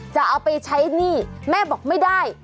จะเอาไปใช้หนี้แม่บอกไม่ได้